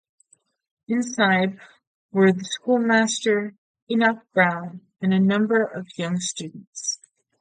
Inside were the schoolmaster, Enoch Brown, and a number of young students.